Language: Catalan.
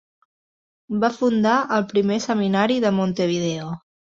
Va fundar el primer Seminari de Montevideo.